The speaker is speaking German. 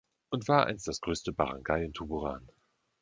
Und war einst das größte Barangay in Tuburan.